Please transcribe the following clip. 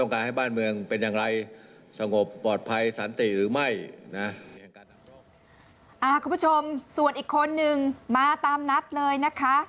คุณผู้ชมส่วนอีกคนนึงมาตามนัดเลยนะคะ